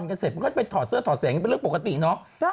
มาพอเห็นเสร็จมันก็จะไปถอดเสื้อถอดแสงมาเรื่องปกติเนอะ